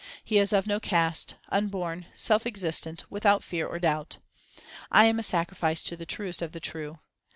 1 He is of no caste, unborn, self existent, without fear or doubt. I am a sacrifice to the Truest of the true.